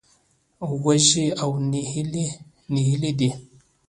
وږي او نهيلي دي.